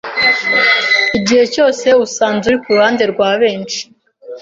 Igihe cyose usanze uri kuruhande rwa benshi,